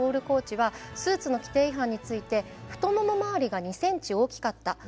コーチはスーツの規程違反について太もも周りが数ｃｍ大きかった。